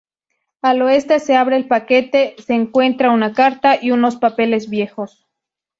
Al oeste se abre el paquete se encuentra una carta y unos papeles viejos.